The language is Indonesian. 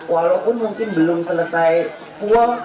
walaupun mungkin belum selesai full